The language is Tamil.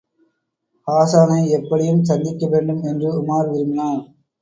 ஹாஸானை எப்படியும் சந்திக்க வேண்டும் என்று உமார் விரும்பினான்.